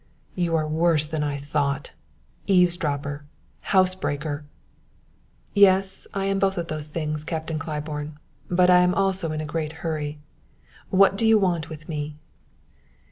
"You are worse than I thought eavesdropper, housebreaker!" "Yes; I am both those things, Captain Claiborne. But I am also in a great hurry. What do you want with me?"